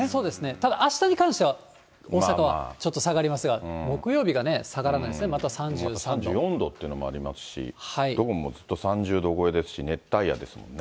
ただ、あしたに関しては大阪はちょっと下がりますが、木曜日がね、下が３４度っていうのもありますし、どこもずっと３０度超えですし、熱帯夜ですもんね。